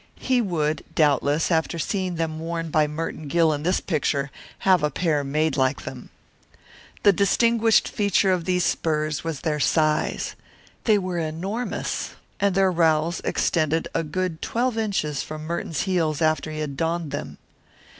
He would doubtless, after seeing them worn by Merton Gill in this picture, have a pair made like them. The distinguishing feature of these spurs was their size. They were enormous, and their rowels extended a good twelve inches from Merton's heels after he had donned them.